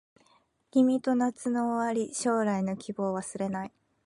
君と夏の終わり将来の希望忘れない